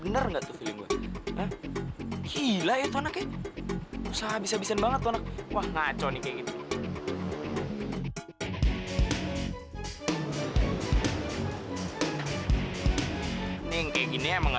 eh kalo persiapannya sudah selesai semua kita mulai kontesnya sekarang ya